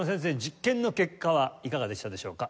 実験の結果はいかがでしたでしょうか？